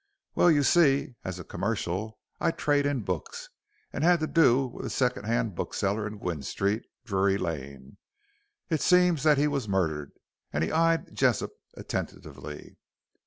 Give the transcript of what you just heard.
"Well, you see, as a commercial I trade in books, and had to do with a second hand bookseller in Gwynne Street, Drury Lane. It seems that he was murdered," and he eyed Jessop attentively.